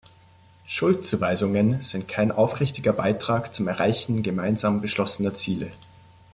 Schuldzuweisungen sind kein aufrichtiger Beitrag zum Erreichen gemeinsam beschlossener Ziele.